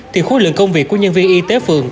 thì khối lượng công việc của nhân viên y tế phường